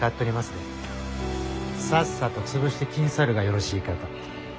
さっさと潰してきんさるがよろしいかと。